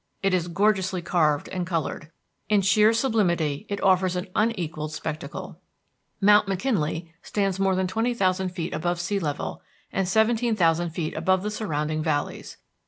It is gorgeously carved and colored. In sheer sublimity it offers an unequalled spectacle. Mount McKinley stands more than 20,000 feet above sea level, and 17,000 feet above the surrounding valleys.